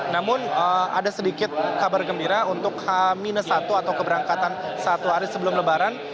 namun ada sedikit kabar gembira untuk h satu atau keberangkatan satu hari sebelum lebaran